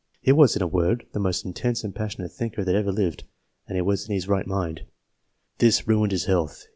... He was, in a word, the most intense and passionate thinker that ever lived, and was in his right mind." This ruined his health.